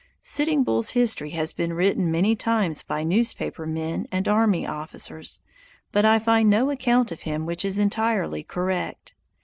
Sitting Bull's history has been written many times by newspaper men and army officers, but I find no account of him which is entirely correct.